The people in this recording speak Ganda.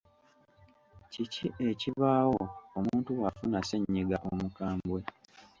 Kiki ekibaawo omuntu bw’afuna ssennyiga omukambwe?